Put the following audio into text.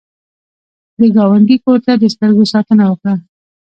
د ګاونډي کور ته د سترګو ساتنه وکړه